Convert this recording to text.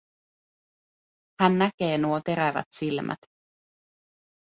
Hän näkee nuo terävät silmät.